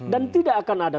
dan tidak akan ada